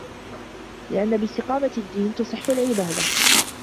لِأَنَّ بِاسْتِقَامَةِ الدِّينِ تَصِحُّ الْعِبَادَةُ